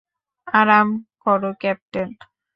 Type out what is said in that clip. আরাম করো ক্যাপ্টেন।